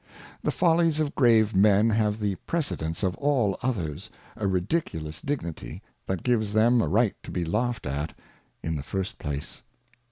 The Follies of grave Men have the Precedence of all others, a ridiculous Dignity, that gives them a Right to be laughed at in the first place.